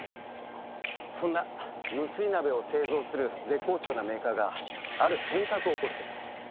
そんな無水鍋を製造する絶好調なメーカーがある変革を起こしています。